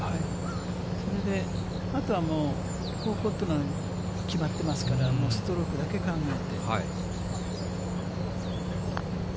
それで、あとはもう方向というのは決まってますから、もうストロークだけ考えて。